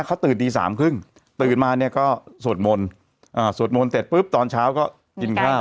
เขาตื่นตีสามครึ่งตื่นมาเนี่ยก็สวดมนต์สวดมนต์เสร็จปุ๊บตอนเช้าก็กินข้าว